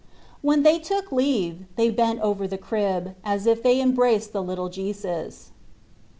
When they took leave they bent over the crib, as if they embraced the little Jesus.